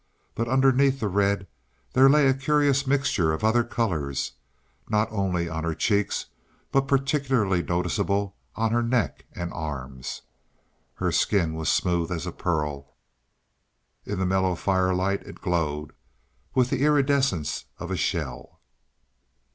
But underneath the red there lay a curious mixture of other colours, not only on her cheeks but particularly noticeable on her neck and arms. Her skin was smooth as a pearl; in the mellow firelight it glowed, with the iridescence of a shell.